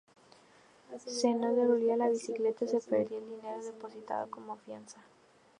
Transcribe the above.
Si no se devolvía la bicicleta, se perdía el dinero depositado como fianza.